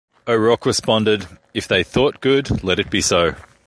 O'Rourke responded, "If they thought good, let it be so".